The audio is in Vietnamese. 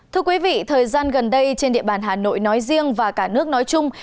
thưa quý vị thời gian gần đây trên địa bàn hà nội nói riêng và cả nước nói chung